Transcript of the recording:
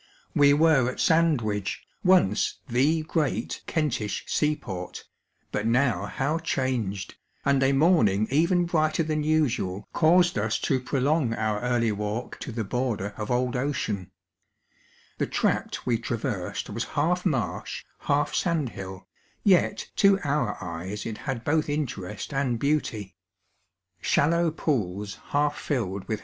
We were at Sandwich, once the great Kentish sea port, now how changed, and a morning even brighter than usual caused us to prolong our early walk to the border of old Ocean. The tract we traversetl was half marsh, half sandhill, yet to our eyes it liad both interest aud beauty. Shallow pools half fillLHl I 1863 ] A SptXuIatioH OH English History.